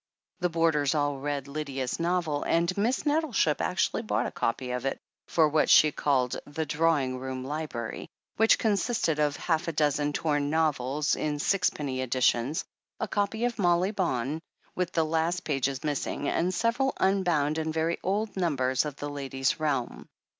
The boarders all read Lydia's novel, and Miss Net tleship actually bought a copy of it, for what she called "the drawing room library," which consisted of half a 262 THE HEEL OF ACHILLES dozen torn novels in sixpenny editions, a copy of "Molly Bawn" with the last pages missing, and several unbound, and very old, numbers of The Lady's Realm.